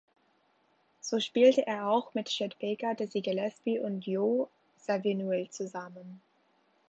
So spielte er auch mit Chet Baker, Dizzy Gillespie und Joe Zawinul zusammen.